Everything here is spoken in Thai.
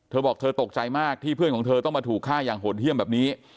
เธอบอกเธอตกใจมากที่เพื่อนของเธอต้องมาถูกฆ่าอย่างโหดเยี่ยมแบบนี้